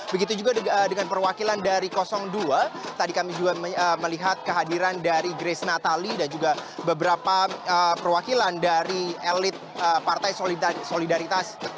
begitu juga dengan perwakilan dari dua tadi kami juga melihat kehadiran dari grace natali dan juga beberapa perwakilan dari elit partai solidaritas